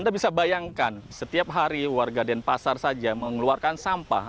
anda bisa bayangkan setiap hari warga denpasar saja mengeluarkan sampah